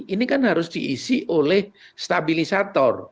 ini kan harus diisi oleh stabilisator